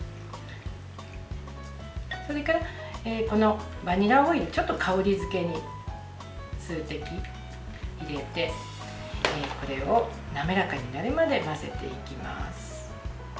それから、バニラオイルちょっと香り付けに数滴入れて滑らかになるまで混ぜていきます。